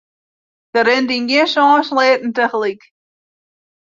Sy rint yn gjin sân sleatten tagelyk.